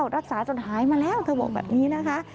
รักษาจนหายมาแล้วเธอบอกแบบนี้นะคะ